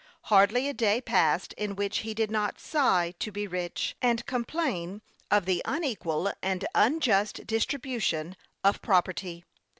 Hardly a day passed in which he did not sigh to be rich, and complain of the unequal and unjust distribution of property.